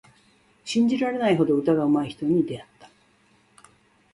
信じられないほど歌がうまい人に出会った。